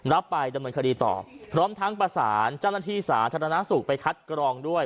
รับไปดำเนินคดีต่อพร้อมทั้งประสานเจ้าหน้าที่สาธารณสุขไปคัดกรองด้วย